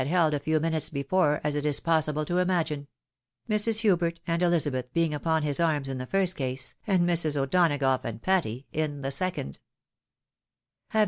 held a few minutes before as it is possible to imagine — Mrs. Hubert and Elizabeth being upon his arms in the first case, and Mrs. O'Douagough and Patty in the second.